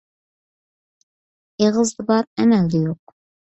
ئېغىزدا بار، ئەمەلدە يوق.